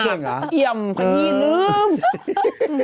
เว้ยอ่าเอียมค่ะอีลืม